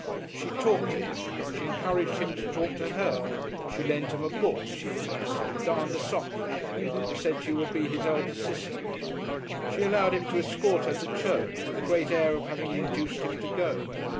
She talked to him, she encouraged him to talk to her, she lent him a book she possessed, and darned a sock for him, and said she would be his elder sister. She allowed him to escort her to church with a great air of having induced him to go.